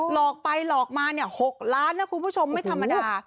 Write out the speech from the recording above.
หลอกไปหลอกมา๖ล้านนะคุณผู้ชมไม่ธรรมดา